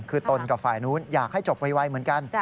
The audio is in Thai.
คือตนกับฝ่ายนู้นอยากให้จบไวเหมือนกัน